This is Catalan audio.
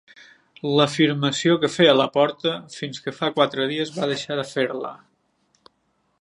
L'afirmació que feia Laporta fins que, fa quatre dies, va deixar de fer-la.